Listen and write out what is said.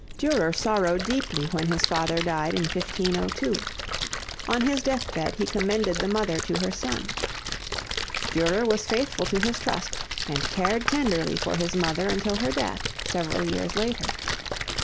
Durer sorrowed deeply when his father died in 1502. On his death bed he commended the mother to her son. Durer was faithful to his trust and cared tenderly for his mother until her death, several years later.